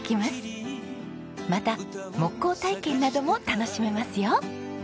また木工体験なども楽しめますよ。